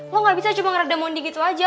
lo nggak bisa cuma ngereda mondi gitu aja